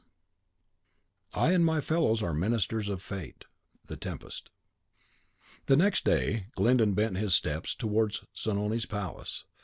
CHAPTER 2.V. I and my fellows Are ministers of Fate. "The Tempest." The next day Glyndon bent his steps towards Zanoni's palace.